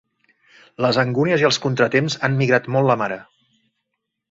Les angúnies i els contratemps han migrat molt la mare.